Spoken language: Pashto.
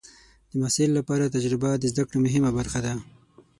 د محصل لپاره تجربه د زده کړې مهمه برخه ده.